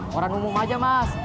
koran umum aja mas